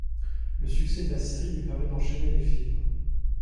Le succès de la série lui permet d'enchaîner les films.